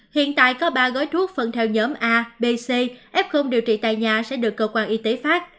hiện tại có ba gói thuốc phân theo nhóm a b c f điều trị tại nhà sẽ được cơ quan y tế phát